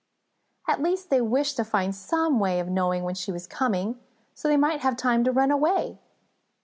At least they wished to find some way of knowing when she was coming, so they might have time to run away.